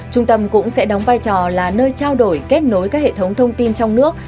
trung tâm cũng sẽ đóng vai trò là nơi trao đổi kết nối các hệ thống thông tin trong nước